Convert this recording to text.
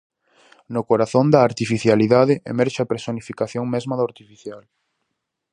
No corazón da artificialidade emerxe a personificación mesma do artificial.